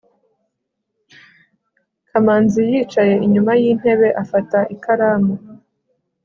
kamanzi yicaye inyuma yintebe afata ikaramu